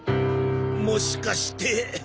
もしかして。